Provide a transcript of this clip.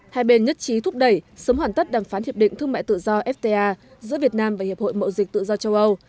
hai bên nhất trí thúc đẩy sớm hoàn tất đàm phán hiệp định thương mại tự do fta giữa việt nam và hiệp hội mậu dịch tự do châu âu